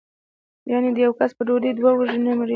یعنې د یوه کس په ډوډۍ دوه وږي نه مړېږي.